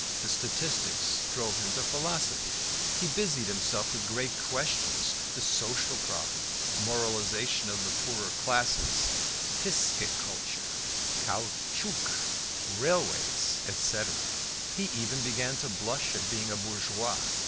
The statistics drove him to philosophy. He busied himself with great questions: the social problem, moralisation of the poorer classes, pisciculture, caoutchouc, railways, etc. He even began to blush at being a bourgeois.